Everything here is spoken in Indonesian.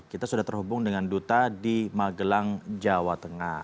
kita sudah terhubung dengan duta di magelang jawa tengah